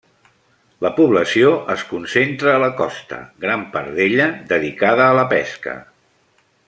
La població es concentra a la costa, gran part d'ella dedicada a la pesca.